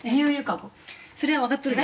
それは分かっとるよ。